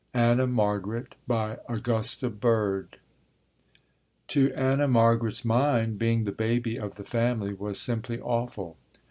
ANNA MARGARET AUGUSTA BIRD To Anna Margaret's mind, being the baby of the family was simply awful.